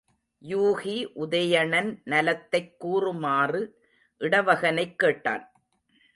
யூகி உதயணன் நலத்தைக் கூறுமாறு இடவகனைக் கேட்டான்.